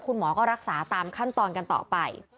คุณหมอก็รักษาตามขั้นตอนกันต่อไป